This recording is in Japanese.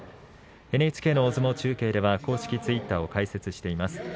ＮＨＫ大相撲中継では公式ツイッターを開設しています。